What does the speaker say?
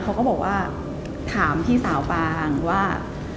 เขาก็ถามพี่สาวปลางว่า